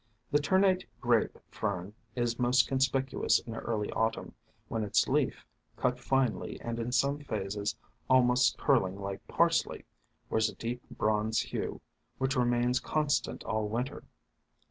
The Ternate Grape Fern is most conspicuous in early Autumn, when its leaf, cut finely and in some phases almost 2O4 THE FANTASIES OF FERNS curling like Parsley, wears a deep bronze hue, which remains constant all Winter.